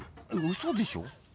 嘘でしょ！？